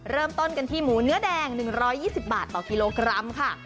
เริ่มต้นกันที่หมูเนื้อแดง๑๒๐บาทต่อกิโลกรัมค่ะ